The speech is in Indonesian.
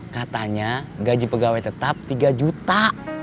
katanya gaji pegawai tetap tiga juta